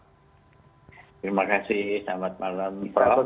terima kasih selamat malam